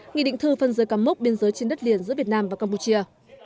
nghị định thư phân giới cắm mốc biên giới trên đất liền giữa việt nam và campuchia